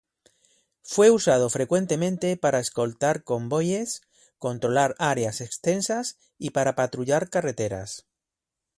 Fue usado frecuentemente para escoltar convoyes, controlar áreas extensas y para patrullar carreteras.